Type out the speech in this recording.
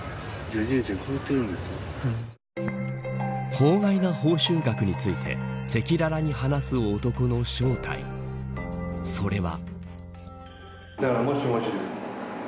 法外な報酬額について赤裸々に話す男の正体それは。